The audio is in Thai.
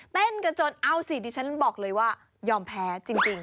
เต้นกันจนเอาสิดิฉันบอกเลยว่ายอมแพ้จริง